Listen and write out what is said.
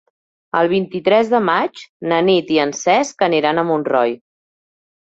El vint-i-tres de maig na Nit i en Cesc aniran a Montroi.